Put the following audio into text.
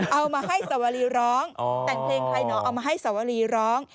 เอามาให้สวรีร้องแต่งเพลงใครเหรอเอามาให้สวรีร้อง